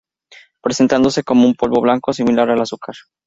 Presentándose como un polvo blanco similar al azúcar.